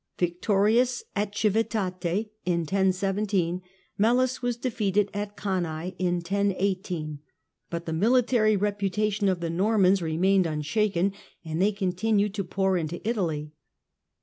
Victorious at Civitate in 1017, Melus was defeated at Cannae in 1018, but the military reputation of the Normans remained unshaken, and they continued to pour into Italy.